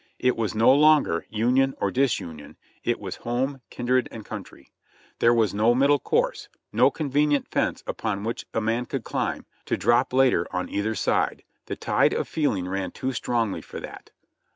It was no longer "Union or Disunion." it was home, kindred and country. There was no middle course, no con venient fence upon which a man could climb to drop later on either side — the tide of feeling ran too strongly for that.